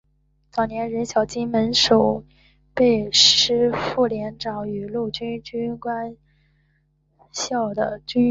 早年任小金门守备师副连长与陆军官校教官。